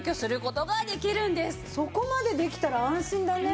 そこまでできたら安心だね。